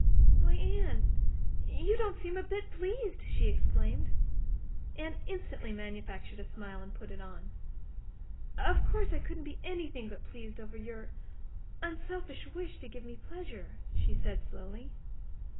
"Why, Anne, you don't seem a bit pleased!" she exclaimed. Anne instantly manufactured a smile and put it on. "Of course I couldn't be anything but pleased over your unselfish wish to give me pleasure," she said slowly.